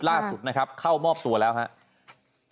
ล่าสุดนะครับเข้ามอบตัวแล้วครับ